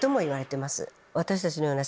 私たちのような。